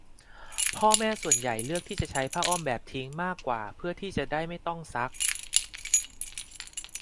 พ่อแม่ส่วนใหญ่เลือกที่จะใช้ผ้าอ้อมแบบทิ้งมากกว่าเพื่อที่จะได้ไม่ต้องซัก